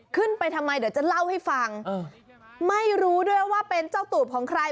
ขึ้นไปทำไมเดี๋ยวจะเล่าให้ฟังไม่รู้ด้วยว่าเป็นเจ้าตูบของใคร